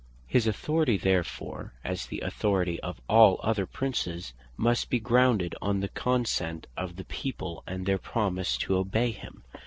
His authority therefore, as the authority of all other Princes, must be grounded on the Consent of the People, and their Promise to obey him.